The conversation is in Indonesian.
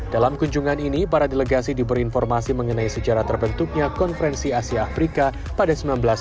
dalam kunjungan ini para delegasi diberi informasi mengenai sejarah terbentuknya konferensi asia afrika pada seribu sembilan ratus sembilan puluh